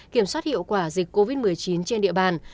kiểm soát hiệu quả dịch covid một mươi chín trên địa bàn